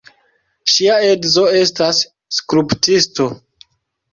Ŝia edzo estas skulptisto.